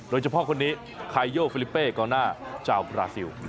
โดยเฉพาะคนนี้ไคโยฟิลิเปก่อนหน้าเจ้าบราซิล